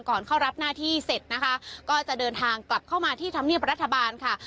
เข้ารับหน้าที่เสร็จนะคะก็จะเดินทางกลับเข้ามาที่ธรรมเนียบรัฐบาลค่ะ